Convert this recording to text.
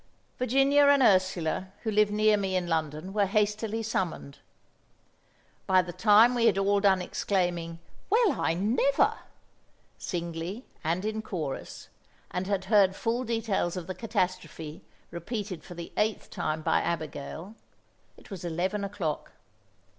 Virginia and Ursula, who live near me in London, were hastily summoned. By the time we had all done exclaiming, "Well, I never!" singly and in chorus, and had heard full details of the catastrophe repeated for the eighth time by Abigail, it was eleven o'clock.